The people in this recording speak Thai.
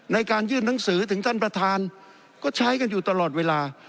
ในการยื่นหนังสือถึงท่านประธานก็ใช้กันอยู่ตลอดเวลา